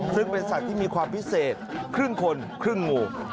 ซึ่งเป็นสัตว์ที่มีความพิเศษครึ่งคนครึ่งงู